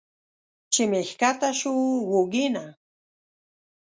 چې مې ښکته شو اوږې نه